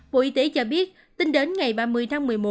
bộ y tế cho biết tính đến ngày ba mươi tháng một mươi một